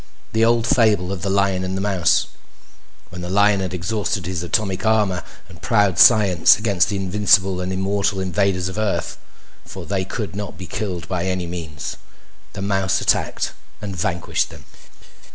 The old fable of the lion and the mouse. When the lion had exhausted his atomic armor and proud science against the invincible and immortal invaders of Earth for they could not be killed by any means the mouse attacked and vanquished them.